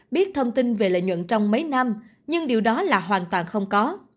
biết thông tin về lợi nhuận trong mấy năm nhưng điều đó là hoàn toàn không có